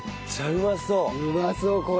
うまそうこれは。